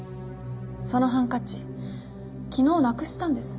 そのハンカチ昨日なくしたんです。